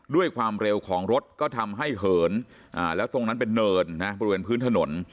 ด้วยความเร็วของรถก็ทำให้เหินแล้วตรงนั้นเป็นเนินนะบริเวณพื้นถนน